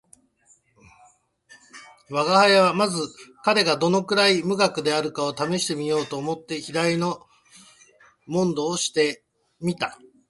吾輩はまず彼がどのくらい無学であるかを試してみようと思って左の問答をして見た